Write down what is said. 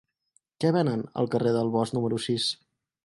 Què venen al carrer del Bosc número sis?